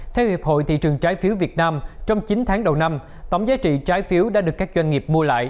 theo hiệp hội thị trường trái phiếu việt nam trong chín tháng đầu năm tổng giá trị trái phiếu đã được các doanh nghiệp mua lại